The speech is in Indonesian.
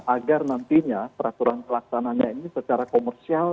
agar nantinya peraturan pelaksananya ini secara komersial